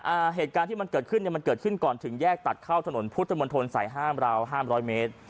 อ่าเหตุการณ์ที่มันเกิดขึ้นเนี่ยมันเกิดขึ้นก่อนถึงแยกตัดเข้าถนนพุทธมนตรสายห้ามราวห้ามร้อยเมตร